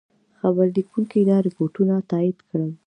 خبرلیکونکي دا رپوټونه تایید کړل.